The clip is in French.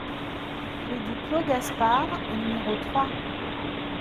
Rue du Clos Gaspard au numéro trois